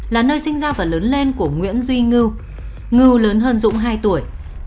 là nơi sinh ra và lớn lên của nguyễn duy ngưu ngư lớn hơn dũng hai tuổi